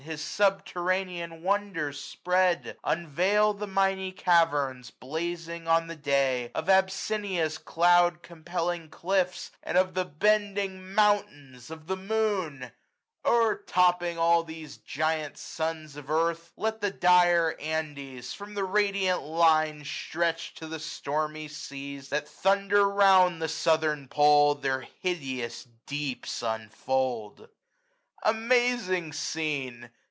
His subterranean wonders spread ; unveil The miny caverns, blazing on the day. Of Abyssinia's cloud compelling cliffs. And of the bending Mountains of the Moon ! 800 Overtopping all these giant sons of earth. Let the dire Andes, from the radiant Line Stretched to the stormy seas that thunder round The southern pole, their hideous deeps unfold. Amazing scene